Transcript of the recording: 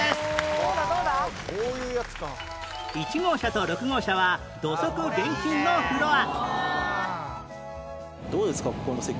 １号車と６号車は土足厳禁のフロア